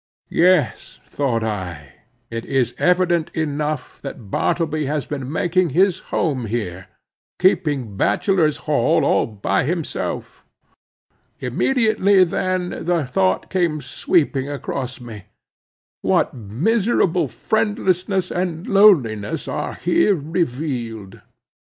Yes, thought I, it is evident enough that Bartleby has been making his home here, keeping bachelor's hall all by himself. Immediately then the thought came sweeping across me, What miserable friendlessness and loneliness are here revealed!